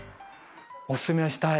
お薦めしたい。